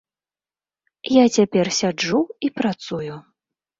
Я цяпер сяджу і працую.